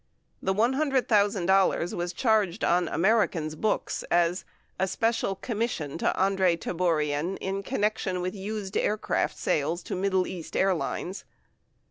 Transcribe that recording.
11 The $100,000 was charged on American's books as "a special commission to Andre Tabourian in connection with used air craft sale to Middle East Airlines."